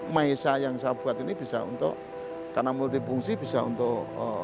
maesa yang saya buat ini bisa untuk karena multifungsi bisa untuk